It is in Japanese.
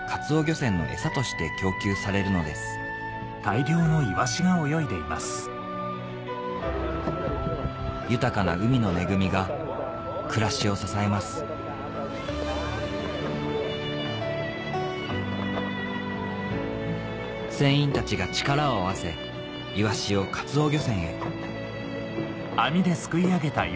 船の餌として供給されるのです豊かな海の恵みが暮らしを支えます船員たちが力を合わせイワシをカツオ漁